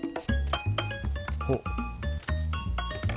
おっ。